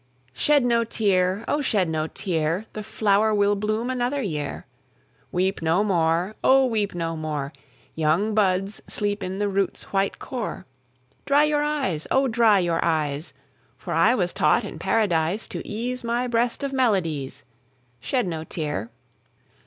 Shed no tear! O shed no tear! The flower will bloom another year. Weep no more! O, weep no more! Young buds sleep in the root's white core. Dry your eyes! Oh! dry your eyes! For I was taught in Paradise To ease my breast of melodies Shed no tear.